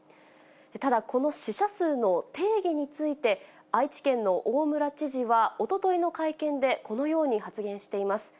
ただ、この死者数の定義について、愛知県の大村知事はおとといの会見で、このように発言しています。